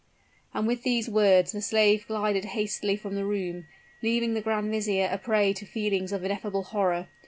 '" And, with these words, the slave glided hastily from the room, leaving the grand vizier a prey to feelings of ineffable horror.